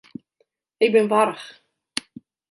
Ik bin warch.